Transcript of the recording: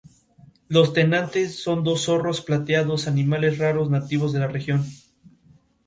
K. Leopol.-Carol.